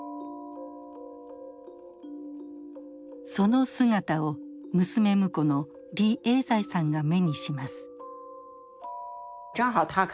その姿を娘婿の李永財さんが目にします。